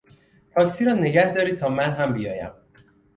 تاکسی را نگهدارید تا من هم بیایم.